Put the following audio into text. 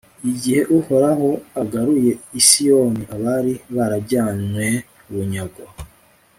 igihe uhoraho agaruye i siyoni abari barajyanywe bunyago